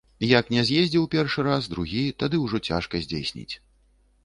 А як не з'ездзіў першы раз, другі, тады ўжо цяжка здзейсніць.